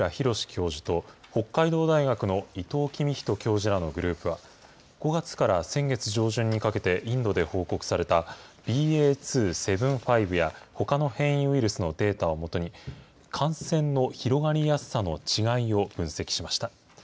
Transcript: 教授と北海道大学の伊藤公人教授らのグループは、５月から先月上旬にかけてインドで報告されたＢＡ．２．７５や、ほかの変異ウイルスのデータを基に、感染の広がりやすさの違いを分析しました。